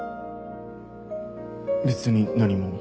別に何も。